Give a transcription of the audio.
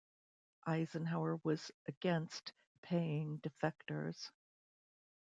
Eisenhower was against paying defectors.